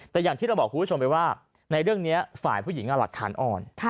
แต่อย่างที่เราบอกคุณผู้ชมไปว่าในเรื่องนี้ฝ่ายผู้หญิงหลักฐานอ่อน